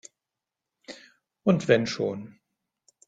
Und wenn schon!